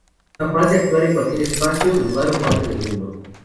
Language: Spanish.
Capaz de actuar en cualquier espacio, lugar o parte del mundo.